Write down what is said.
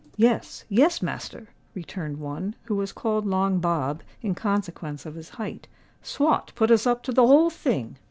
"Yes, yes, master," returned one, who was called Long Bob, in consequence of his height: "Swot put us up to the whole thing."